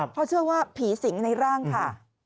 เพราะเชื่อว่าผีสิงในร่างค่ะ